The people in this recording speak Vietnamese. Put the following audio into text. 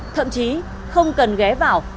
thậm chí không cần ghé vào